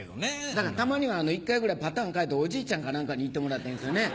だからたまには一回ぐらいパターン変えておじいちゃんか何かに行ってもらったらいいんですよね